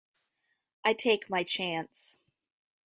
I take my chance.